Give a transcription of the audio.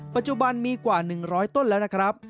ปัจจุบันมีกว่า๑๐๐ต้นแล้วนะครับ